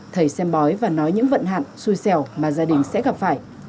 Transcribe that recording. thầy xem bói và nói những vận hạn xui xẻo mà gia đình sẽ gặp phải